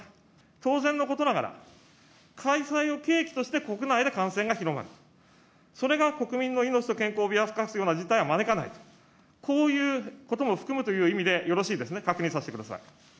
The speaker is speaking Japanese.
当然のことながら、開催を契機として、国内で感染が広がる、それが国民の命と健康を脅かすような事態を招かない、こういうことも含むという意味でよろしいですね、確認させてください。